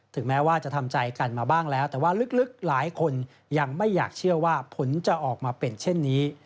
แม้ว่าจะทำใจกันมาบ้างแล้วแต่ว่าลึกหลายคนยังไม่อยากเชื่อว่าผลจะออกมาเป็นเช่นนี้